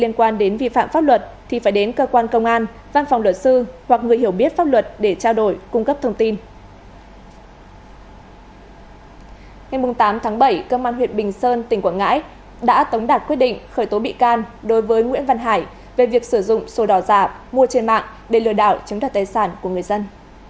ngày tám tháng bảy cơ quan huyện bình sơn tỉnh quảng ngãi đã tống đạt quyết định khởi tố bị can đối với nguyễn văn hải về việc sử dụng sổ đỏ giảm mua trên mạng để lừa đảo chứng đoạt tài sản của người dân